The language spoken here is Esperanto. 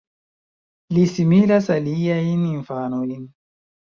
Li similas aliajn infanojn.